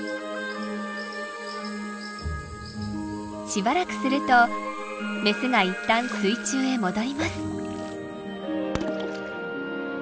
しばらくするとメスが一旦水中へ戻ります。